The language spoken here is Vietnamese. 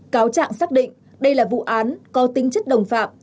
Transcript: cáo trạng xác định đây là vụ án có tính chất đồng phạm